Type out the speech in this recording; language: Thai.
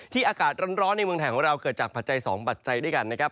อากาศร้อนในเมืองไทยของเราเกิดจากปัจจัย๒ปัจจัยด้วยกันนะครับ